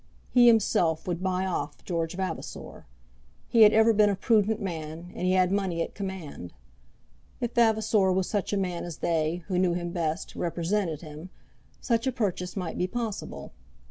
He himself would buy off George Vavasor. He had ever been a prudent man, and he had money at command. If Vavasor was such a man as they, who knew him best, represented him, such a purchase might be possible.